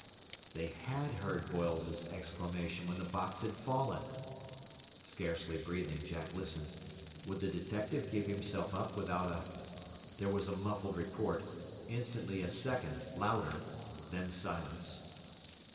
They had heard Boyle's exclamation when the box had fallen! Scarcely breathing, Jack listened. Would the detective give himself up without a There was a muffled report, instantly a second, louder, then silence.